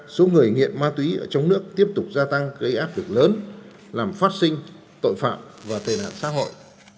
số người nghiện ma túy ở trong nước tiếp tục gia tăng gây áp lực lớn làm phát sinh tội phạm và tề nạn xã hội